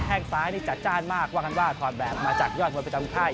แท่งซ้ายจัดจ้านมากเพราะว่าคอนแบบมาจากย่อนมวยประจำค่าย